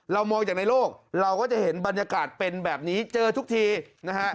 มองจากในโลกเราก็จะเห็นบรรยากาศเป็นแบบนี้เจอทุกทีนะฮะ